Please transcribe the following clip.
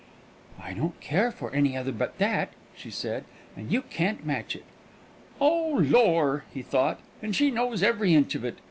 "I don't care for any other but that," she said; "and you can't match it." "Oh, lor!" he thought, "and she knows every inch of it.